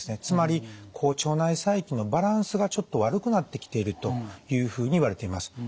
つまり腸内細菌のバランスがちょっと悪くなってきているというふうにいわれています。